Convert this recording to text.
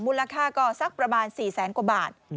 มูลค่าก็สักประมาณ๔แสนกว่าบาท